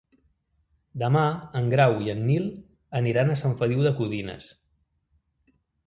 Demà en Grau i en Nil aniran a Sant Feliu de Codines.